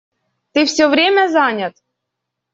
Ты всё время занят.